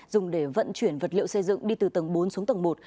dùng để vận chuyển vật liệu xây dựng đi từ tầng bốn xuống tầng một